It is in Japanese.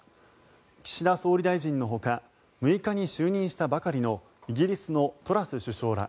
岸田総理大臣のほか６日に就任したばかりのイギリスのトラス首相ら